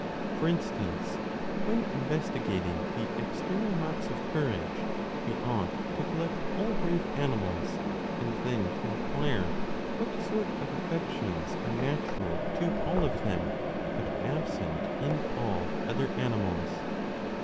2 For instance, when investi gating the external marks of courage, we ought to collect all brave animals, and then to inquire what sort of affections are natural to all of them but absent in all other animals.